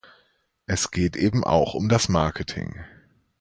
Es geht eben auch um das Marketing.